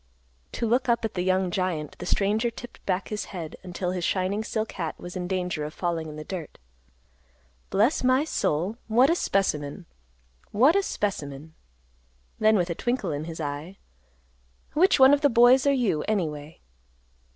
To look up at the young giant, the stranger tipped back his head, until his shining silk hat was in danger of falling in the dirt. "Bless my soul, what a specimen! What a specimen!" Then with a twinkle in his eye, "Which one of the boys are you, anyway?"